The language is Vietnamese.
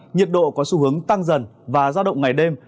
nhiệt độ có xu hướng tăng dần và giao động ngày đêm